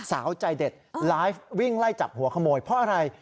สาวใจเด็ดไลฟ์วิ่งไล่จับหัวขโมยเพราะอะไร